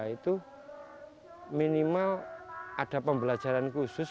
itu minimal ada pembelajaran khusus